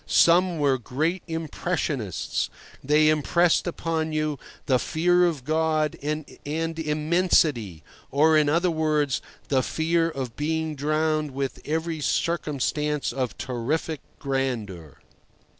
Some were great impressionists. They impressed upon you the fear of God and Immensity—or, in other words, the fear of being drowned with every circumstance of terrific grandeur.